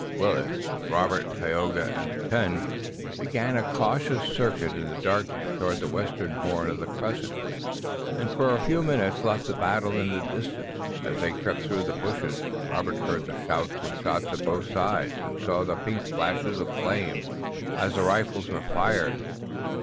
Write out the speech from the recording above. Willet, with Robert, Tayoga and the ten, began a cautious circuit in the darkness toward the western horn of the crescent, and for a few minutes left the battle in the distance. As they crept through the bushes, Robert heard the shouts and shots of both sides and saw the pink flashes of flame as the rifles were fired.